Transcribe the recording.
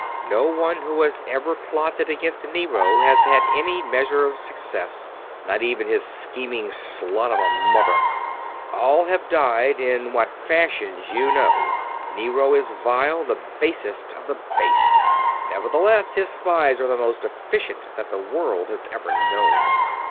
No one who has ever plotted against Nero has had any measure of success; not even his scheming slut of a mother. All have died, in what fashions you know. Nero is vile, the basest of the base. Nevertheless, his spies are the most efficient that the world has ever known.